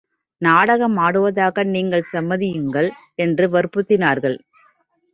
நாடகமாடுவதாக நீங்கள் சம்மதியுங்கள்! என்று வற்புறுத்தினார்கள்.